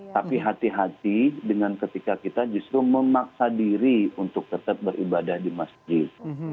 tapi hati hati dengan ketika kita justru memaksa diri untuk tetap beribadah di masjid